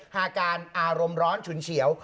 อาการอารมณ์ร้อนฉุนเฉียว